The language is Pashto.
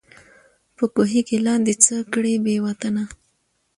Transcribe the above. په کوهي کي لاندي څه کړې بې وطنه